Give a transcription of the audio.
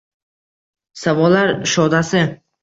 Savollar shodasi